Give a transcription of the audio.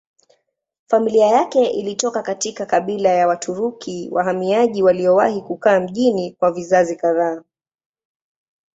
Familia yake ilitoka katika kabila ya Waturuki wahamiaji waliowahi kukaa mjini kwa vizazi kadhaa.